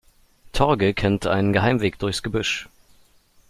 Torge kennt einen Geheimweg durchs Gebüsch.